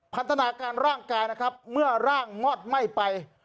พัฒนาการร่างกายนะครับเมื่อร่างงอดไหม้ไป